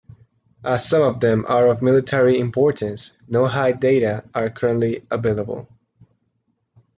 As some of them are of military importance, no height data are currently available.